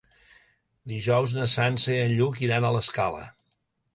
Dijous na Sança i en Lluc iran a l'Escala.